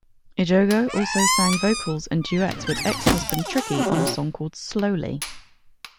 Ejogo also sang vocals and duets with ex-husband Tricky on a song called "Slowly".